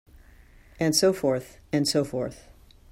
And so forth and so forth.